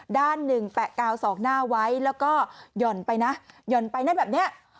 ด้านหนึ่งแปะกาวสองหน้าไว้แล้วก็หย่อนไปนะหย่อนไปนั่นแบบนี้